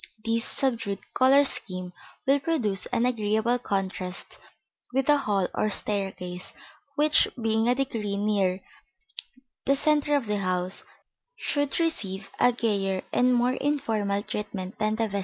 This subdued color scheme will produce an agreeable contrast with the hall or staircase, which, being a degree nearer the centre of the house, should receive a gayer and more informal treatment than the vestibule.